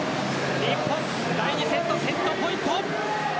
日本、第２セットセットポイント。